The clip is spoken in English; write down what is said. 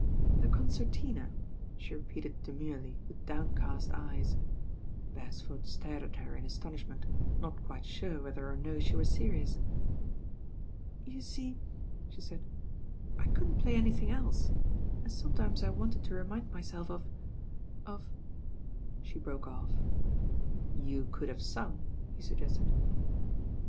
"The concertina, she repeated demurely with downcast eyes. Beresford stared at her in astonishment, not quite sure whether or no she were serious. "You see," she said, "I couldn't play anything else, and sometimes I wanted to remind myself of — of " she broke off. "You could have sung?" he suggested.